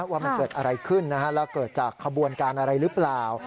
ว่ามันเกิดอะไรขึ้นแล้วเกิดจากขบวนการอะไรหรือเปล่า